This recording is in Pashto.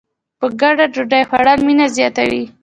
په ګډه ډوډۍ خوړل مینه زیاتوي.